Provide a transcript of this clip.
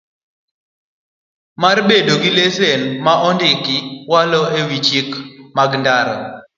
Mar bedo gi lesen ma ondik malo e wi chike mag ndara.